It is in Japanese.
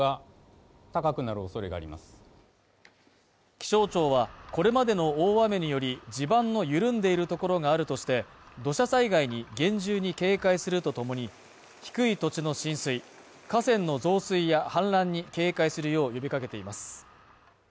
気象庁は、これまでの大雨により地盤の緩んでいるところがあるとして土砂災害に厳重に警戒するとともに、低い土地の浸水、河川の増水や氾濫に警戒するよう呼びかけています。